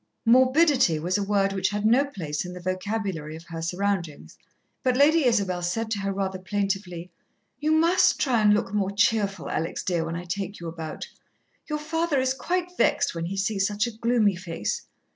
Morbidity was a word which had no place in the vocabulary of her surroundings, but Lady Isabel said to her rather plaintively, "You must try and look more cheerful, Alex, dear, when I take you about. Your father is quite vexed when he sees such a gloomy face.